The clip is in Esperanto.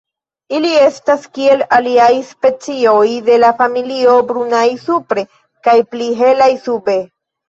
Ili estas kiel aliaj specioj de la familio brunaj supre kaj pli helaj sube.